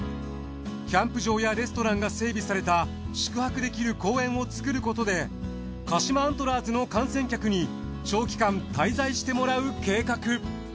キャンプ場やレストランが整備された宿泊できる公園を造ることで鹿島アントラーズの観戦客に長期間滞在してもらう計画。